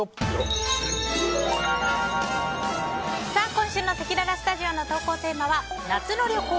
今週のせきららスタジオの投稿テーマは夏の旅行！